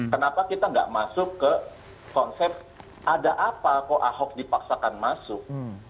kenapa kita nggak masuk ke konsep ada apa kok ahok dipaksakan masuk